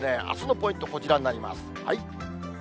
あすのポイント、こちらになります。